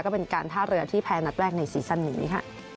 ก็เป็นการท่าเรือที่แพ้นัดแรกในซีซั่นนี้ค่ะ